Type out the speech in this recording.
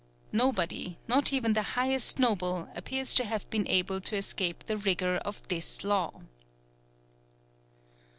Nobody, not even the highest noble, appears to have been able to escape the rigour of this law.